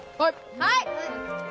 はい！